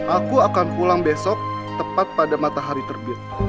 aku akan pulang besok tepat pada matahari terbit